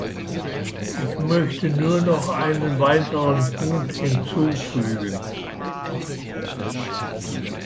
Ich möchte nur noch einen weiteren Punkt hinzufügen.